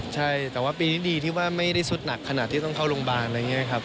ใช่แต่ว่าปีนี้ดีที่ว่าไม่ได้สุดหนักขนาดที่ต้องเข้าโรงพยาบาลอะไรอย่างนี้ครับ